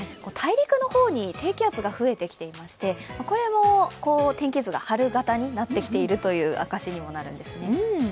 大陸の方に低気圧が増えてきていましてこれも天気図が春型になってきている証しにもなるんですね。